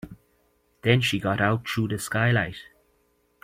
Then she got out through the skylight.